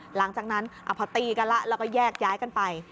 หลังจากนั้นพอตีกันแล้วแล้วก็แยกย้ายกันไป